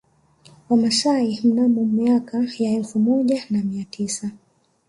Wamasai mnamo miaka ya elfu moja na mia tisa